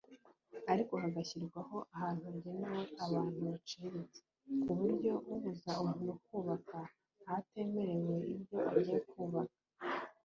ariko hagashyirwaho ahantu hagenewe abantu baciriritse ku buryo ubuza umuntu kubaka ahatemerewe ibyo agiye kubaka